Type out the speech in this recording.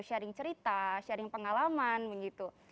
sharing cerita sharing pengalaman begitu